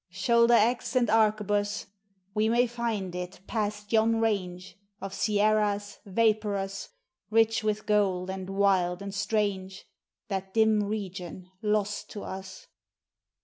Shoulder axe and arquebus! We may find it, past yon range Of sierras, vaporous, Rich with gold and wild and strange, That dim region lost to us.